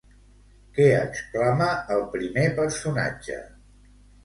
Què exclama el primer personatge?